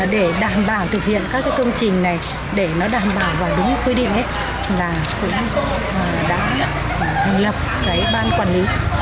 để đảm bảo thực hiện các cái công trình này để nó đảm bảo vào đúng quy định ấy là cũng đã thành lập cái ban quản lý